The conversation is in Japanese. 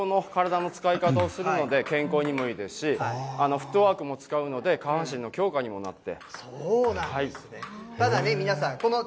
やっぱり左右対称の体の使い方をするので健康にもいいですし、フットワークも使うので、下半身の強化にもなって。